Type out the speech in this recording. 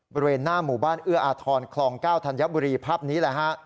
บริเวณหน้าหมู่บ้านเอื้ออาทรคลองเก้าธัญบุรีภาพนี้